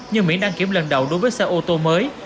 như miễn đăng kiểm lần đầu đối với xe ô tô mới